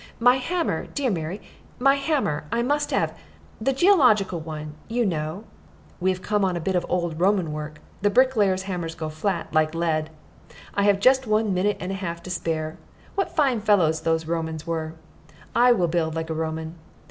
My hammer, dear Mary; my hammer I must have. The geological one, you know; we have come on a bit of old Roman work; the bricklayer's hammers go flat, like lead. I have just one minute and a half to spare. What fine fellows those Romans were! I will build like a Roman.